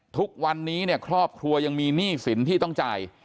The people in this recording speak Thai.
ทุกวันนี้เนี่ยครอบครัวยังมีหนี้สินที่ต้องจ่าย